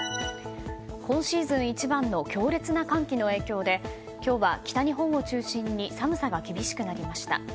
今シーズン一番の強烈な寒気の影響で今日は北日本を中心に寒さが厳しくなりました。